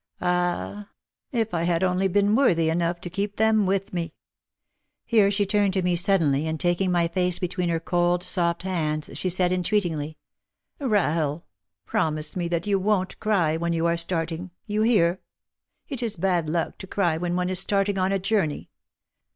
Ah, if I had only been worthy enough to keep them with me !" Here she turned to me suddenly and taking my face between her cold soft hands she said entreatingly, "Rahel, promise me that you won't cry when you are starting. You hear? It is bad luck to cry when one is starting on a journey.